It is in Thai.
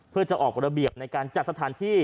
เพื่อจะออกระเบียบในการจัดสถานที่